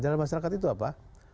jalan masyarakat itu apa